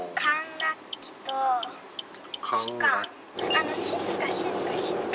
あの、静か、静か、静か。